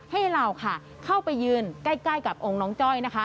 ให้เราค่ะเข้าไปยืนใกล้กับองค์น้องจ้อยนะคะ